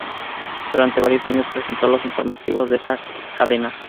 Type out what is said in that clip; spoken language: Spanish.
Durante varios años presentó los informativos de esta cadena.